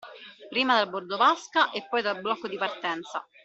Prima dal bordo vasca e poi dal blocco di partenza.